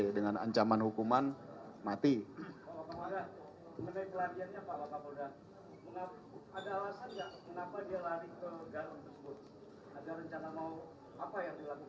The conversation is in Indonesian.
ada rencana mau apa yang dilakukan dia di garun